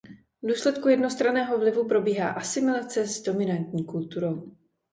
V důsledku jednostranného vlivu probíhá asimilace s dominantní kulturou.